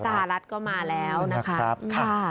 ใช่สหราตรก็มาแล้วนะคะ